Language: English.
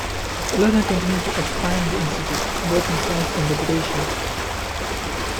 Lerner continued to expand the institute, both in size and reputation.